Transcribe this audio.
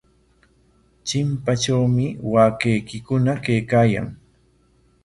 Chimpatrawmi waakaykikuna kaykaayan.